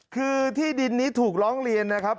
คือที่ดินนี้ถูกร้องเรียนนะครับ